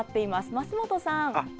増本さん。